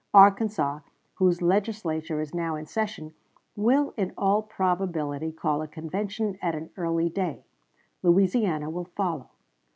Arkansas, whose Legislature is now in session, will in all probability call a convention at an early day. Louisiana will follow.